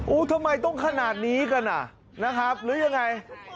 ทำไมต้องขนาดนี้กันอ่ะนะครับหรือยังไง